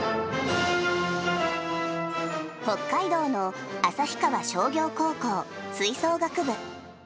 北海道の旭川商業高校吹奏楽部。